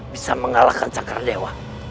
bisa mengalahkan sakar dewa